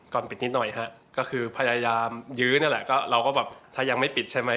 ปิดนิดหน่อยฮะก็คือพยายามยื้อนั่นแหละก็เราก็แบบถ้ายังไม่ปิดใช่ไหม